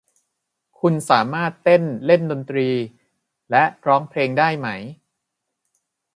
คุณสามารถเต้นเล่นดนตรีและร้องเพลงได้ไหม ?